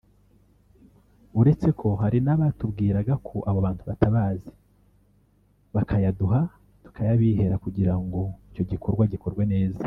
uretse ko hari n’abatubwiraga ko abo bantu batabazi bakayaduha tukayabihera kugira ngo icyo gikorwa gikorwe neza”